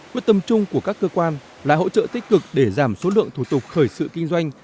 quyết tâm chung của các cơ quan là hỗ trợ tích cực để giảm số lượng thủ tục khởi sự kinh doanh